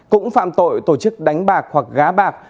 cũng phạm tội tổ chức đánh bạc hoặc gá bạc